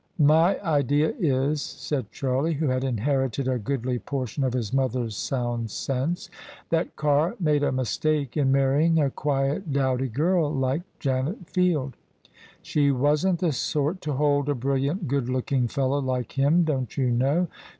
" My idea is," said Charlie, who had inherited a goodly portion of his mother's sound sense, " that Carr made a mistake in marrying a quiet, dowdy girl like Janet Field: she wasn't the sort to hold a brilliant, good looking fellow like him, don't you know?